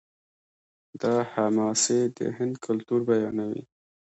دا حماسې د هند کلتور بیانوي.